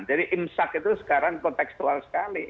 jadi imsak itu sekarang konteks luar sekali